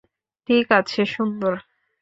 ঠিক আছে, সুন্দর।